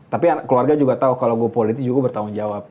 tapi keluarga juga tahu kalau gue politik juga bertanggung jawab